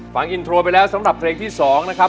ฟังอินโทรไปแล้วสำหรับเพลงที่๒นะครับ